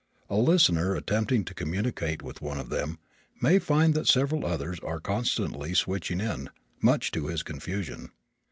A listener attempting to communicate with one of them may find that several others are constantly "switching in," much to his confusion.